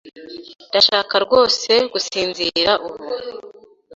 Ndashaka rwose gusinzira ubu.